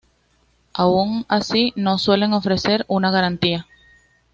Aun así, no suelen ofrecer gran garantía.